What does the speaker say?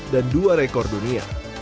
dan dua rekor dunia